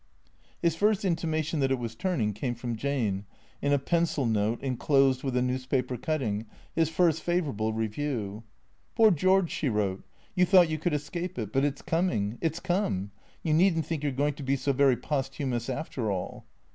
His first intimation that it was turning came from Jane, in a pencil note enclosed with a newspaper cutting, his first favour able review. " Poor George," she wrote, " you thought you could escape it. But it 's coming — it 's come. You need n't think you 're going to be so very posthumous, after all."